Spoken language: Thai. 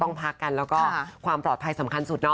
ต้องพักก่อนแล้วความปลอดภัยสำคัญสุด